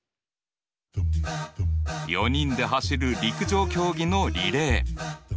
４人で走る陸上競技のリレー。